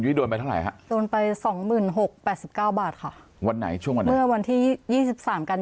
ยุ้ยโดนไปเท่าไหร่โดนไป๒๖๐๘๙บาทค่ะวันไหนช่วงวันที่๒๓กัน